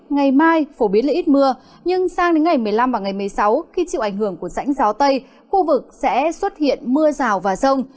ngày mai phổ biến là ít mưa nhưng sang đến ngày một mươi năm và ngày một mươi sáu khi chịu ảnh hưởng của rãnh gió tây khu vực sẽ xuất hiện mưa rào và rông